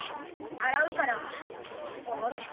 洗うからあれ？